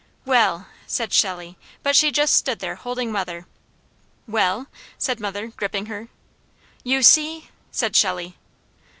"Well!" said Shelley, but she just stood there holding mother. "Well?" said mother gripping her. "You see!" said Shelley.